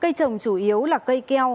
cây trồng chủ yếu là cây keo